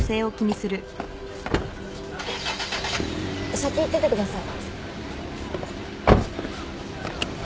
先行っててください。